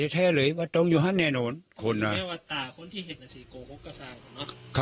ก็ต้องอยู่ค่ะ